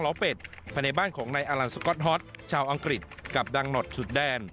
ล้อเป็ดภัณฑ์บ้านของนายอัลลานสก็อสฮอทชาวอังกฤษกับดังหนอดจุดแดน